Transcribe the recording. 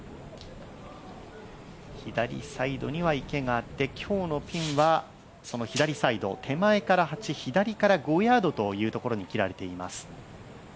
左サイドには池があって今日のピンはその左サイド手前から８、右から５ヤードというところにきられています。